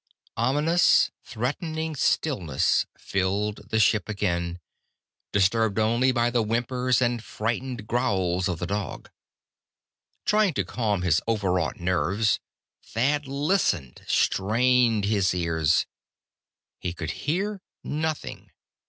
Ominous, threatening stillness filled the ship again, disturbed only by the whimpers and frightened growls of the dog. Trying to calm his overwrought nerves, Thad listened strained his ears. He could hear nothing.